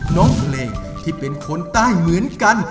น้องเพลงที่เป็นคนใต้เหมือนกัน